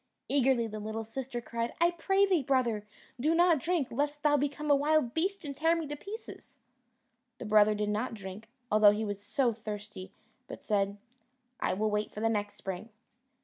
Eagerly the little sister cried, "I pray thee, brother, do not drink, lest thou become a wild beast and tear me to pieces." The brother did not drink, although he was so thirsty, but said, "I will wait for the next spring."